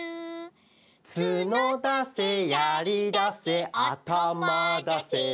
「つのだせやりだせあたまだせ」